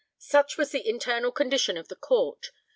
] Such was the internal condition of the Court.